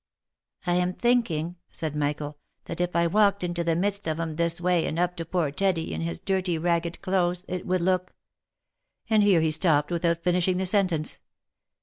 " I am thinking," said Michael, " that if I walked into the midst of 'em this way, and up to poor Teddy, in his dirty ragged clothes, it would look" — and here he stopped without finishing the sentence.